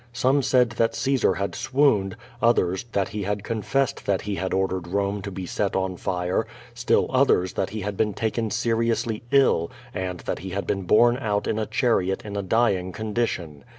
Some said that Caesar had swooned, others, that he had confessed that he had ordered Rome to be set on fire, still others that he had been taken seriously ill, and that he had been borne out in a chariot in a dying condition.